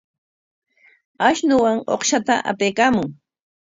Ashunuwan uqshata apaykaamun.